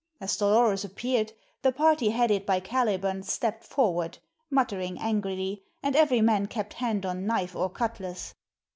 As Dolores appeared, the party headed by Caliban stepped forward, muttering angrily, and every man kept hand on knife or cutlass.